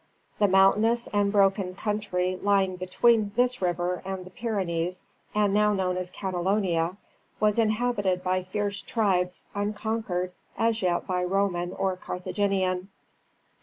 The mountainous and broken country lying between this river and the Pyrenees, and now known as Catalonia, was inhabited by fierce tribes unconquered as yet by Roman or Carthaginian.